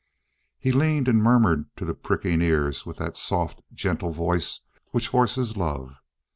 He leaned and murmured to the pricking ears with that soft, gentle voice which horses love.